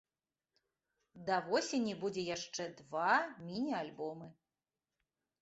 Да восені будзе яшчэ два міні-альбомы.